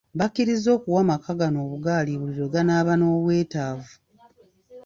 Bakkiriza okuwa amaka gano obugaali buli lwe ganaaba n'obwetaavu.